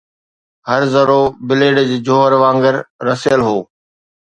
هر ذرو، بليڊ جي جوهر وانگر، رسيل هو